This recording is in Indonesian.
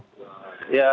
ya seperti itu